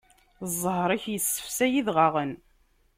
Zzheṛ-ik isefsay idɣaɣen.